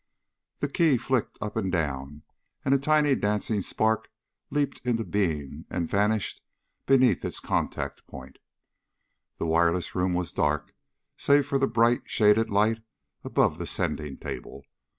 The key flicked up and down, and a tiny dancing spark leaped into being and vanished beneath its contact point. The wireless room was dark save for the bright, shaded light above the sending table.